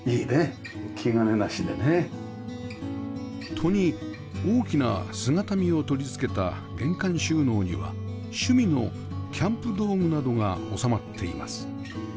戸に大きな姿見を取り付けた玄関収納には趣味のキャンプ道具などが収まっています